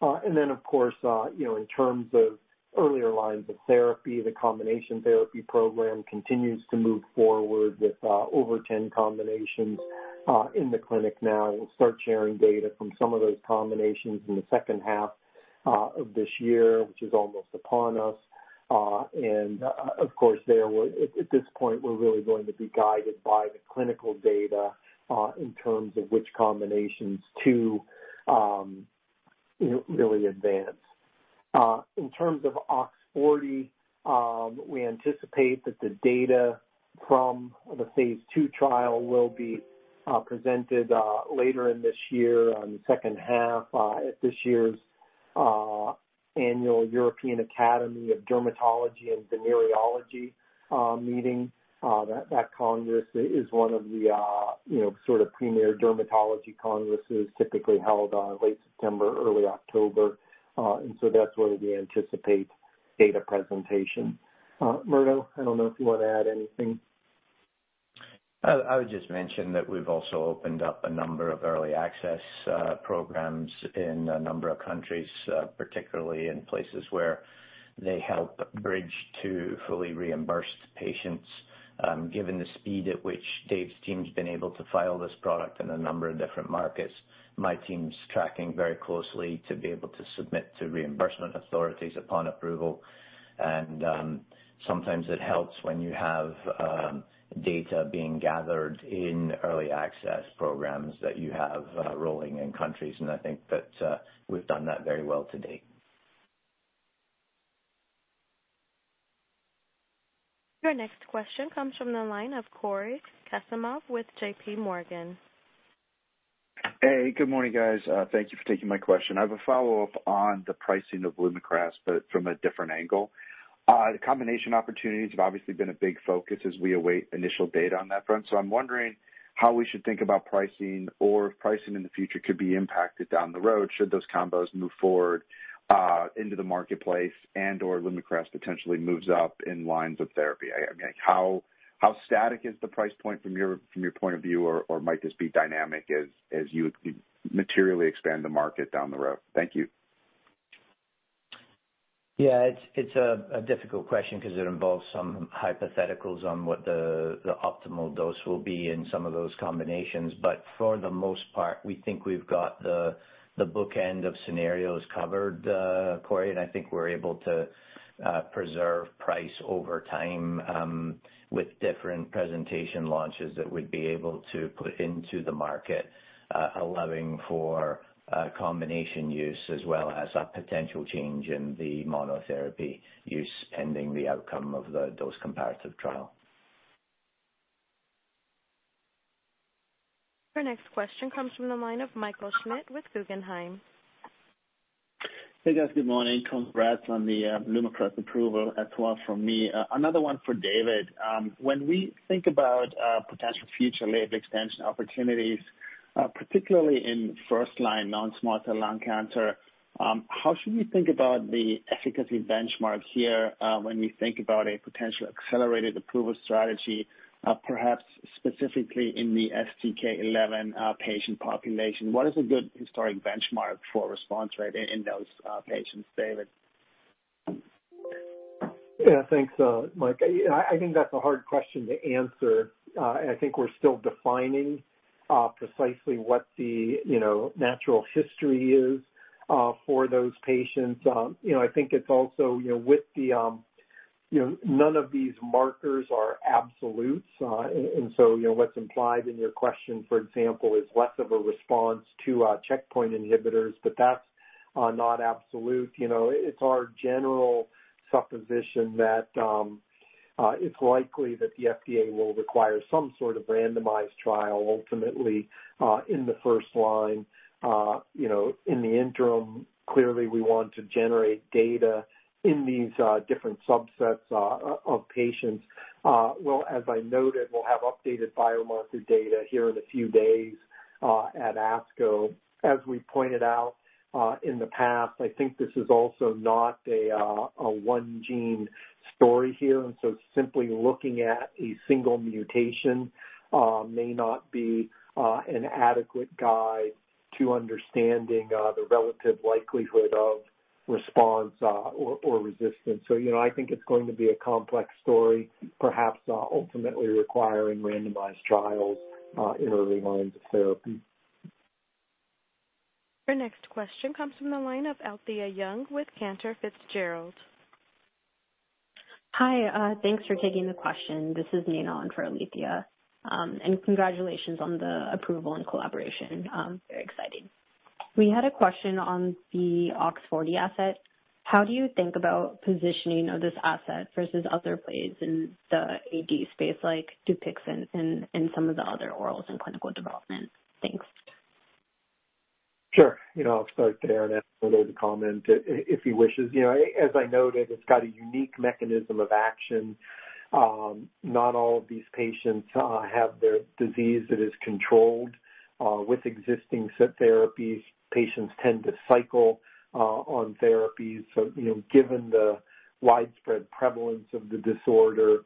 Of course, in terms of earlier lines of therapy, the combination therapy program continues to move forward with over 10 combinations in the clinic now. We'll start sharing data from some of those combinations in the second half of this year, which is almost upon us. Of course, at this point, we're really going to be guided by the clinical data in terms of which combinations to really advance. In terms of OX40, we anticipate that the data from the phase II trial will be presented later in this year, in the second half, at this year's annual European Academy of Dermatology and Venereology meeting. That congress is one of the sort of premier dermatology congresses, typically held late September or early October. That's where we anticipate data presentation. Murdo, I don't know if you want to add anything. I would just mention that we've also opened up a number of early access programs in a number of countries, particularly in places where they help bridge to fully reimbursed patients. Given the speed at which Dave's team's been able to file this product in a number of different markets, my team's tracking very closely to be able to submit to reimbursement authorities upon approval. Sometimes it helps when you have data being gathered in early access programs that you have rolling in countries, and I think that we've done that very well to date. Your next question comes from the line of Cory Kasimov with JPMorgan. Hey, good morning, guys, thank you for taking my question. I have a follow-up on the pricing of LUMAKRAS from a different angle. The combination opportunities have obviously been a big focus as we await initial data on that front. I'm wondering how we should think about pricing or if pricing in the future could be impacted down the road should those combos move forward into the marketplace and/or LUMAKRAS potentially moves up in lines of therapy. How static is the price point from your point of view, or might this be dynamic as you materially expand the market down the road? Thank you. Yeah, it's a difficult question because it involves some hypotheticals on what the optimal dose will be in some of those combinations. For the most part, we think we've got the bookend of scenarios covered, Cory, and I think we're able to preserve price over time with different presentation launches that we'd be able to put into the market, allowing for combination use as well as a potential change in the monotherapy use, pending the outcome of the dose comparative trial. Your next question comes from the line of Michael Schmidt with Guggenheim. Hey, guys. Good morning. Congrats on the LUMAKRAS approval as well from me. Another one for David. When we think about potential future label expansion opportunities, particularly in first-line non-small cell lung cancer, how should we think about the efficacy benchmarks here when we think about a potential accelerated approval strategy, perhaps specifically in the STK11 patient population? What is a good historic benchmark for response rate in those patients, David? Thanks, Mike. I think that's a hard question to answer. I think we're still defining precisely what the natural history is for those patients. I think it's also, none of these markers are absolutes. What's implied in your question, for example, is less of a response to checkpoint inhibitors, but that's not absolute. It's our general supposition that it's likely that the FDA will require some sort of randomized trial ultimately, in the first line. In the interim, clearly, we want to generate data in these different subsets of patients. As I noted, we'll have updated biomarker data here in a few days at ASCO. As we pointed out in the past, I think this is also not a one-gene story here, and so simply looking at a single mutation may not be an adequate guide to understanding the relative likelihood of response or resistance. I think it's going to be a complex story, perhaps ultimately requiring randomized trials in early lines of therapy. Your next question comes from the line of Alethia Young with Cantor Fitzgerald. Hi. Thanks for taking the question. This is Nina on for Alethia Young. Congratulations on the approval and collaboration. Very exciting. We had a question on the OX40 asset. How do you think about positioning of this asset versus other plays in the AD space like DUPIXENT and some of the other orals in clinical development? Thanks. Sure. I'll start there and ask Murdo to comment if he wishes. As I noted, it's got a unique mechanism of action. Not all of these patients have their disease that is controlled with existing therapies. Patients tend to cycle on therapies. Given the widespread prevalence of the disorder,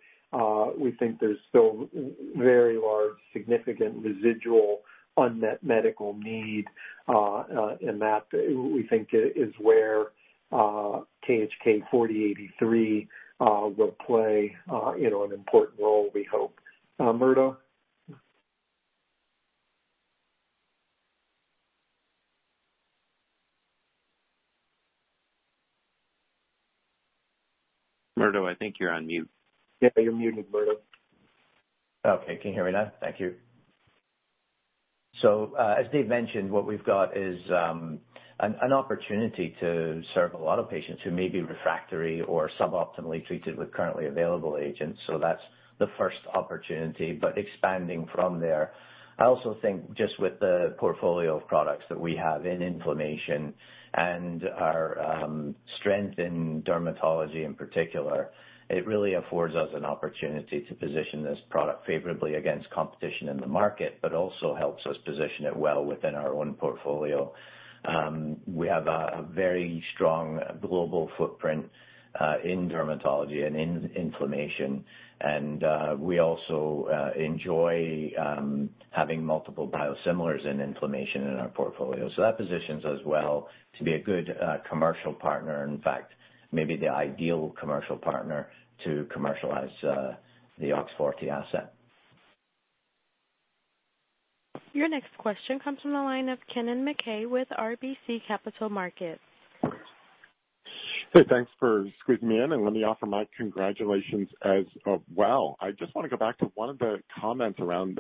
we think there's still very large, significant residual unmet medical need. That, we think is where KHK4083 will play an important role, we hope. Murdo? Murdo, I think you're on mute. Yeah, you're muted, Murdo. Okay. Can you hear me now? Thank you. As Dave mentioned, what we've got is an opportunity to serve a lot of patients who may be refractory or suboptimally treated with currently available agents. Expanding from there, I also think just with the portfolio of products that we have in inflammation and our strength in dermatology in particular, it really affords us an opportunity to position this product favorably against competition in the market, but also helps us position it well within our own portfolio. We have a very strong global footprint in dermatology and in inflammation, and we also enjoy having multiple biosimilars in inflammation in our portfolio. That positions us well to be a good commercial partner, in fact, maybe the ideal commercial partner to commercialize the OX40 asset. Your next question comes from the line of Kennen MacKay with RBC Capital Markets. Hey, thanks for squeezing me in, and let me offer my congratulations as well. I just want to go back to one of the comments around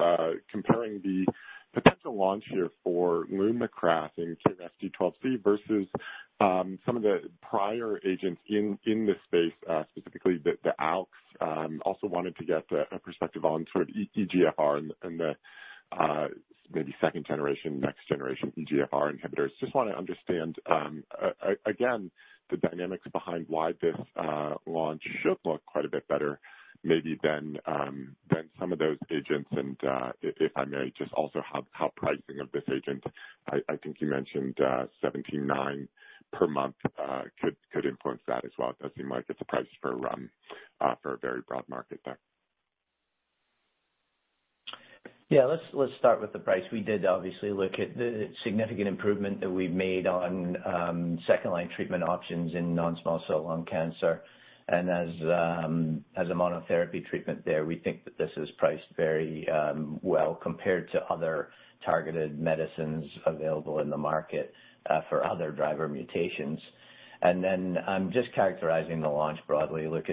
comparing the potential launch here for LUMAKRAS in KRAS G12C versus some of the prior agents in this space, specifically the ALKs. I also wanted to get a perspective on sort of EGFR and the maybe second generation, next generation EGFR inhibitors. I just want to understand, again, the dynamics behind why this launch should look quite a bit better maybe than some of those agents and, if I may, just also how pricing of this agent, I think you mentioned $17.9K per month could influence that as well. It does seem like it's a price for a very broad market there. Yeah. Let's start with the price. We did obviously look at the significant improvement that we've made on 2nd-line treatment options in non-small cell lung cancer. As a monotherapy treatment there, we think that this is priced very well compared to other targeted medicines available in the market for other driver mutations. I'm just characterizing the launch broadly. Look,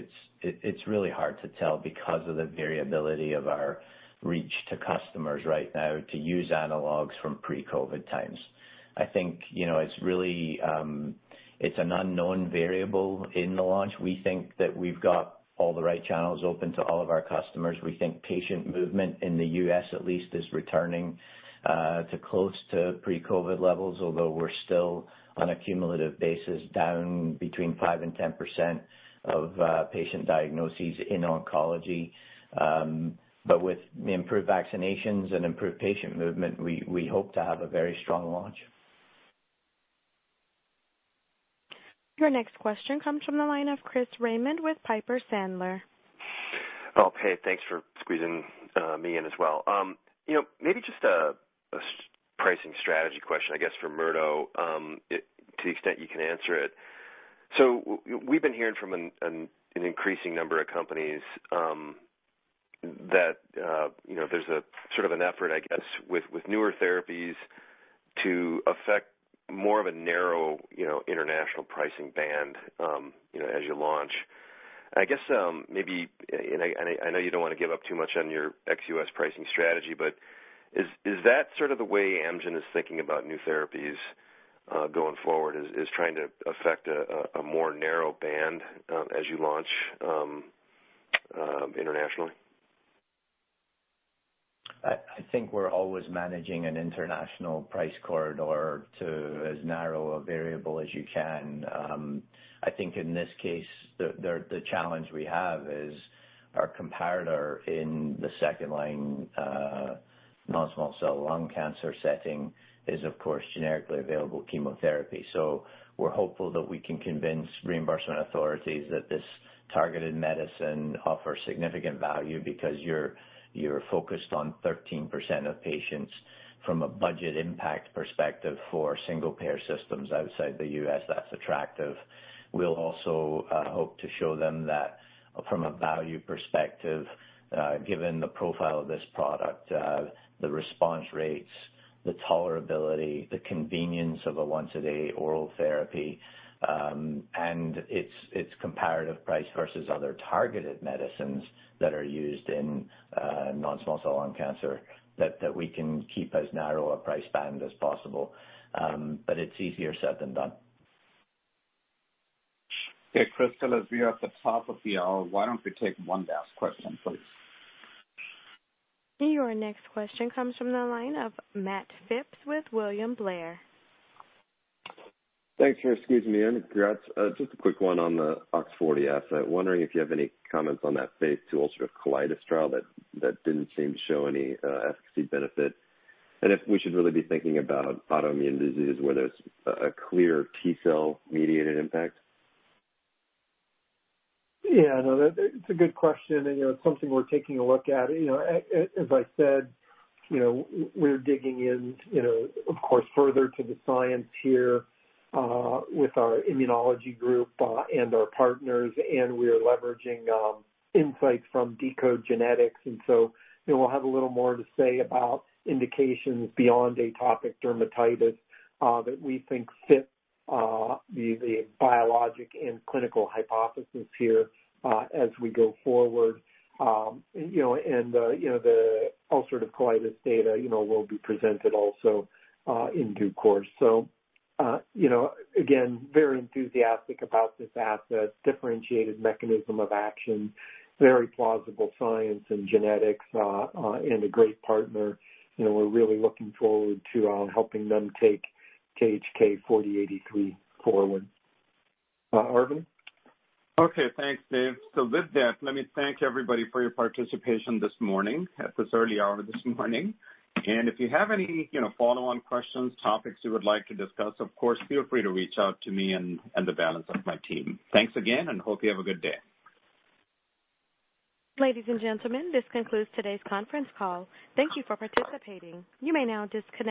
it's really hard to tell because of the variability of our reach to customers right now to use analogs from pre-COVID times. I think it's an unknown variable in the launch. We think that we've got all the right channels open to all of our customers. We think patient movement, in the U.S. at least, is returning to close to pre-COVID levels, although we're still, on a cumulative basis, down between 5% and 10% of patient diagnoses in oncology. With improved vaccinations and improved patient movement, we hope to have a very strong launch. Your next question comes from the line of Chris Raymond with Piper Sandler. Oh, hey, thanks for squeezing me in as well. Maybe just a pricing strategy question, I guess, for Murdo, to the extent you can answer it. We've been hearing from an increasing number of companies that there's a sort of an effort, I guess, with newer therapies to affect more of a narrow international pricing band as you launch. I know you don't want to give up too much on your ex-US pricing strategy, is that sort of the way Amgen is thinking about new therapies going forward, is trying to affect a more narrow band as you launch internationally? I think we're always managing an international price corridor to as narrow a variable as you can. I think in this case, the challenge we have is our comparator in the second line non-small cell lung cancer setting is, of course, generically available chemotherapy. We're hopeful that we can convince reimbursement authorities that this targeted medicine offers significant value because you're focused on 13% of patients from a budget impact perspective for single-payer systems outside the U.S. That's attractive. We'll also hope to show them that from a value perspective, given the profile of this product, the response rates, the tolerability, the convenience of a once-a-day oral therapy, and its comparative price versus other targeted medicines that are used in non-small cell lung cancer, that we can keep as narrow a price band as possible. It's easier said than done. Okay, Crystal, as we are at the top of the hour, why don't we take one last question, please? Your next question comes from the line of Matt Phipps with William Blair. Thanks for squeezing me in. Congrats. Just a quick one on the OX40 asset. Wondering if you have any comments on that phase II ulcerative colitis trial that didn't seem to show any efficacy benefit, and if we should really be thinking about autoimmune disease where there's a clear T-cell mediated impact? Yeah, no, it's a good question. It's something we're taking a look at. As I said, we're digging in, of course, further to the science here with our immunology group and our partners. We are leveraging insights from deCODE genetics. We'll have a little more to say about indications beyond atopic dermatitis that we think fit the biologic and clinical hypothesis here as we go forward. The ulcerative colitis data will be presented also in due course. Again, very enthusiastic about this asset, differentiated mechanism of action, very plausible science and genetics. A great partner. We're really looking forward to helping them take KHK4083 forward. Arvind? Okay. Thanks, Dave. With that, let me thank everybody for your participation this morning, at this early hour this morning. If you have any follow-on questions, topics you would like to discuss, of course, feel free to reach out to me and the balance of my team. Thanks again, and hope you have a good day. Ladies and gentlemen, this concludes today's conference call. Thank you for participating. You may now disconnect.